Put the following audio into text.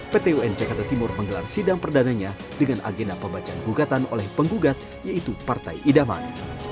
pt un jakarta timur menggelar sidang perdananya dengan agenda pembacaan gugatan oleh penggugat yaitu partai idaman